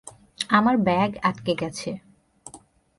আমার ব্যাগ আটকে গেছে।